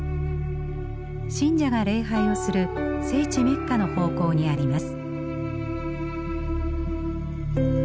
信者が礼拝をする聖地メッカの方向にあります。